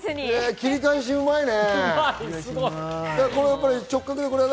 切り返し、うまいね。